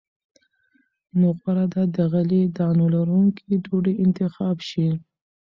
نو غوره ده د غلې- دانو لرونکې ډوډۍ انتخاب شي.